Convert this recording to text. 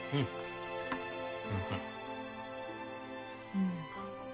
うん。